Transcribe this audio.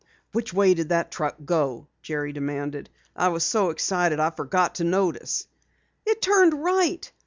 "Which way did the truck go?" Jerry demanded. "I was so excited I forgot to notice." "It turned right.